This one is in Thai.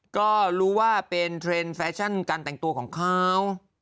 ก็รู้ว่าเป็นเทรนด์แฟชั่นการแต่งตัวของเขา